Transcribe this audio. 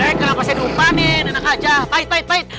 eh kenapa saya dupa nen enak aja pahit pahit